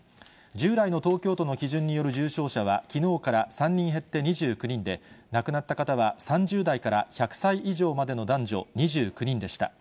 従来の東京都の基準による重症者はきのうから３人減って２９人で、亡くなった方は３０代から１００歳以上までの男女２９人でした。